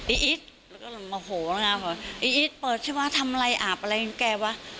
อี๊ดอี๊ดเปิดใช่วะทำไรอาบอะไรนี่แกวะ